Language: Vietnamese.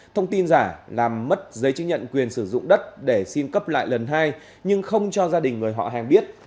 thông tin giả làm mất giấy chứng nhận quyền sử dụng đất để xin cấp lại lần hai nhưng không cho gia đình người họ hàng biết